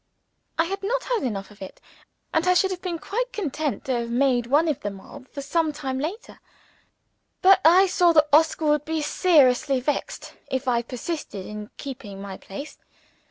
I had not had enough of it, and I should have been quite content to have made one of the mob for some time longer. But I saw that Oscar would be seriously vexed if I persisted in keeping my place.